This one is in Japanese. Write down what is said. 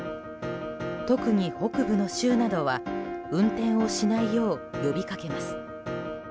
特に北部の州などは運転をしないよう呼びかけます。